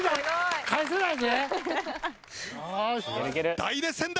大熱戦だ！